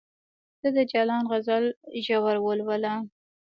ته د جلان غزل ژور ولوله